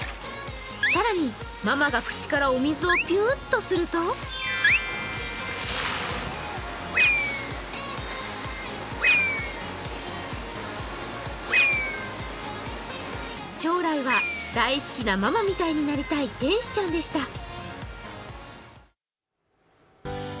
更に、ママが口からお水をぴゅーっとすると将来は、大好きなママみたいになりたい天使ちゃんでした。